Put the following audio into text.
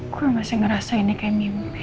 gue masih ngerasa ini kayak mimpi